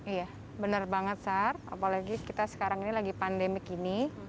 iya benar banget sar apalagi kita sekarang ini lagi pandemi kini